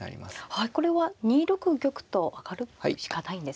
はいこれは２六玉と上がるしかないんですね。